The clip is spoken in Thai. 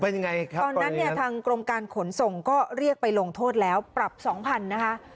ตอนนั้นทางกรมการขนส่งก็เรียกไปลงโทษแล้วปรับสองพันนะคะ